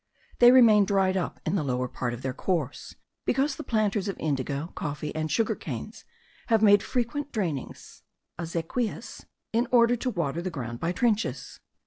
They remain dried up in the lower part of their course, because the planters of indigo, coffee, and sugar canes, have made frequent drainings (azequias), in order to water the ground by trenches.